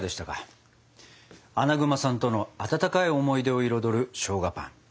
アナグマさんとの温かい思い出を彩るしょうがパン。